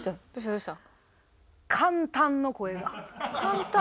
どうした？